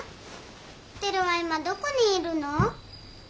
テルは今どこにいるの？